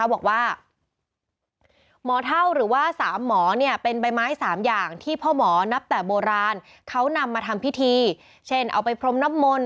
บอกว่าหมอเท่าหรือว่า๓หมอเป็นใบไม้๓อย่างที่พ่อหมอนับแต่โบราณเขานำมาทำพิธีเช่นเอาไปพรมน้ำมนต